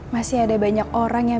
masih ada banyak orang yang